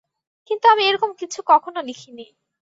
কিন্তু আমি এ-রকম কিছু কখনো লিখি নি।